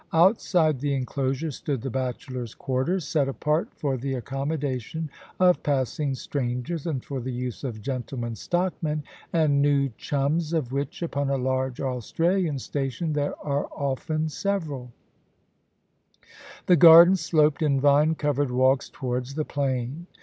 Outside the enclosure stood the Bachelors' Quarters, set apart for the accommodation of passing strangers, and for the use of gentlemen stockmen, and new chums, of which, upon a large Australian station, there are often several The garden sloped in vine covered walks towards the plain.